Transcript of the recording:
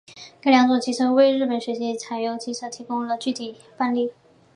这两种机车为日本学习柴油机车技术提供了具体范例。